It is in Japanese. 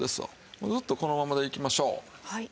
もうずっとこのままでいきましょう。